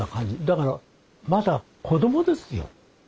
だからまだ子どもですよ。